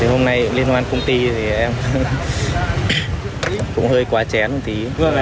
hôm nay liên quan công ty thì em cũng hơi quá chén một tí